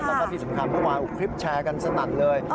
แล้วมันเป็นสิ่งที่สุดความว่าคลิปแชร์ตัดเลย